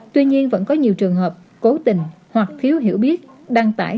tuy nhiên vẫn có nhiều trường hợp cố tình hoặc thiếu hiểu biết đăng tải